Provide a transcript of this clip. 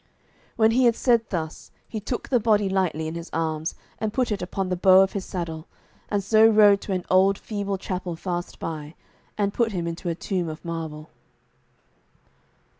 When he had said thus, he took the body lightly in his arms and put it upon the bow of his saddle, and so rode to an old feeble chapel fast by, and put him into a tomb of marble.